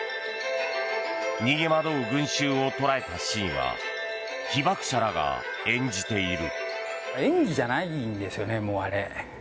逃げ惑う群衆を捉えたシーンは被爆者らが演じている。